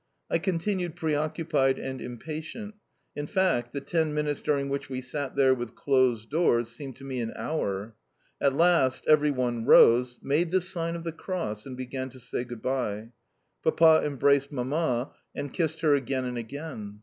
I continued preoccupied and impatient. In fact, the ten minutes during which we sat there with closed doors seemed to me an hour. At last every one rose, made the sign of the cross, and began to say good bye. Papa embraced Mamma, and kissed her again and again.